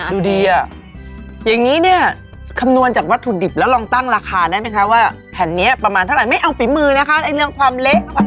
ดูดีอ่ะอย่างนี้เนี่ยคำนวณจากวัตถุดิบแล้วลองตั้งราคาได้ไหมคะว่าแผ่นนี้ประมาณเท่าไหร่ไม่เอาฝีมือนะคะเรื่องความเละความ